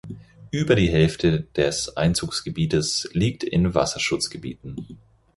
Über die Hälfte des Einzugsgebietes liegt in Wasserschutzgebieten.